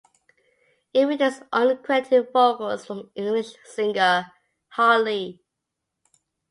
It features uncredited vocals from English singer Harlee.